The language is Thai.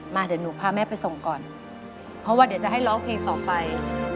เดี๋ยวหนูพาแม่ไปส่งก่อนเพราะว่าเดี๋ยวจะให้ร้องเพลงต่อไป